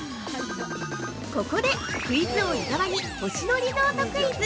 ◆ここで、クイズ王・伊沢に星野リゾートクイズ！